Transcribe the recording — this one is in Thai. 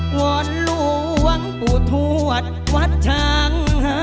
หว่อนหลวงปุธวัดวัดช่าง